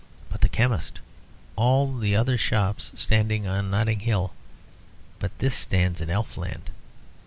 But the chemist! All the other shops stand in Notting Hill, but this stands in Elf land.